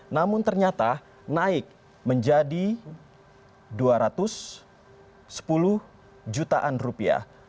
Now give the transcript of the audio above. namun ternyata naik menjadi dua ratus sepuluh jutaan rupiah